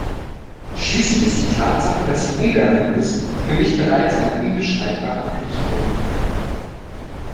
Schließlich ist die Tatsache, dass sie Ungarin ist, für mich bereits ein unbestreitbarer Pluspunkt.